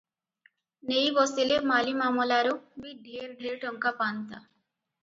ନେଇ ବସିଲେ ମାଲିମାମଲାରୁ ବି ଢେର ଢେର ଟଙ୍କା ପାନ୍ତା ।